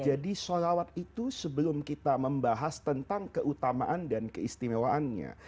jadi salawat itu sebelum kita membahas tentang keutamaan dan keistimewaannya